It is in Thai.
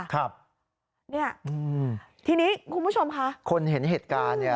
ครับเนี่ยทีนี้คุณผู้ชมค่ะคนเห็นเหตุการณ์เนี่ย